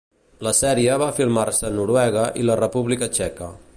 La sèrie va filmar-se a Noruega i la República Txeca.